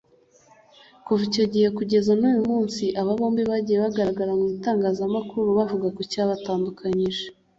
Kuva icyo gihe kugeza n’uyu munsi aba bombi bagiye bagaragara mu Itangazamakuru bavuga ku cyabatandukanyije